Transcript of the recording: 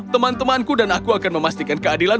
teman temanku dan aku akan memastikan keadilan